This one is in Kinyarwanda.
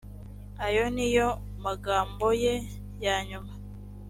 ayo ni yo magambo ye ya nyuma